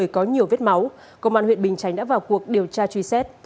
công an huyện bình chánh đã vào cuộc điều tra truy xét